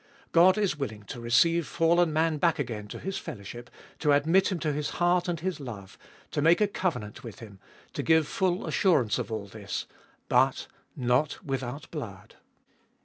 God is willing to receive fallen man back again to His fellowship, to admit him to His heart and His love, to make a covenant with him, to give full assurance of all this ; but — not without blood.